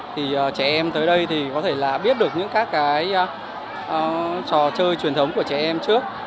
thì trẻ em tới đây thì có thể là biết được những các cái trò chơi truyền thống của trẻ em trước